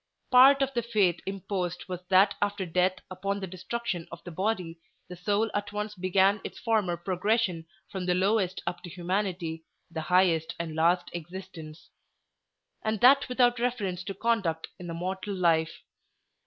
Part of the faith imposed was that after death upon the destruction of the body, the soul at once began its former progression from the lowest up to humanity, the highest and last existence; and that without reference to conduct in the mortal life.